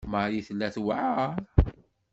Marie tella tewɛeṛ.